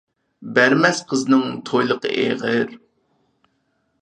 بەرمەس قىزنىڭ تويلۇقى ئېغىر.